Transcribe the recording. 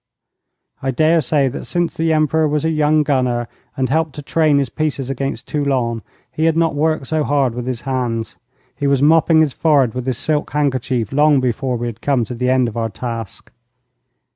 I dare say that since the Emperor was a young gunner, and helped to train his pieces against Toulon, he had not worked so hard with his hands. He was mopping his forehead with his silk handkerchief long before we had come to the end of our task.